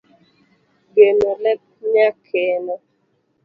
geno lep nyakeno